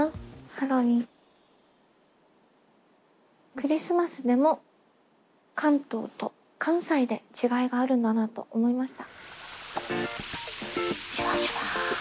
「クリスマス」でも関東と関西で違いがあるんだなと思いました。